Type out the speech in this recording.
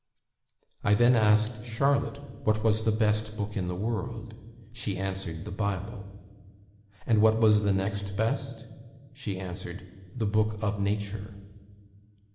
I then asked Charlotte what was the best book in the world; she answered, 'The Bible.' And what was the next best; she answered, 'The Book of Nature.'